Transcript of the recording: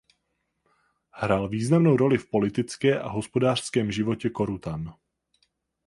Hrál významnou roli v politické a hospodářském životě Korutan.